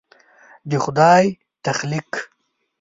د خدای تخلیق